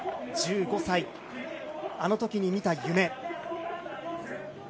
１５歳、あの時にみた夢。